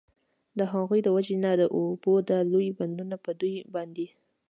د هغوی د وجي نه د اوبو دا لوی بند په دوی باندي